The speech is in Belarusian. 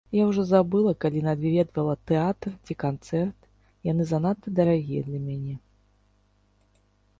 Я ўжо забыла, калі наведвала тэатр ці канцэрт, яны занадта дарагія для мяне.